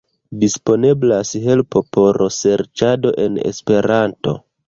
Disponeblas helpo por serĉado en Esperanto.